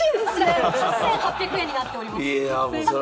８８００円になっております。